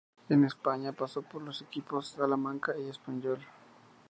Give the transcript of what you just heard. En España paso por los equipos Salamanca y Espanyol.